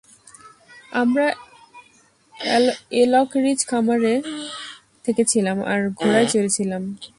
আমরা Elk Ridge খামারে থেকেছিলাম আর ঘোড়ায় চড়েছিলাম।